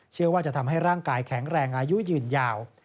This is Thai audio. เชื่อว่าจะทำให้ร่างกายแข็งแรงอายุยืนยาว